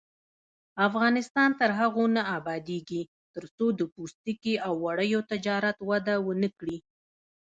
افغانستان تر هغو نه ابادیږي، ترڅو د پوستکي او وړیو تجارت وده ونه کړي.